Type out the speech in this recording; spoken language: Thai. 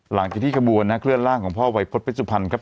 หลังจากที่กระบวนนะครับเคลื่อนร่างของพ่อวัยพจน์เป็นสุพรรณครับ